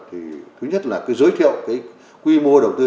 thứ nhất là giới thiệu quy mô đầu tư